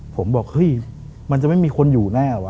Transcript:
ผมบอกเฮ้ยมันจะไม่มีคนอยู่แน่วะ